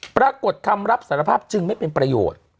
คำรับสารภาพจึงไม่เป็นประโยชน์